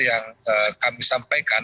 yang kami sampaikan